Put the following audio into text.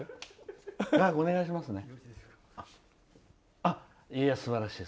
画伯お願いしますね。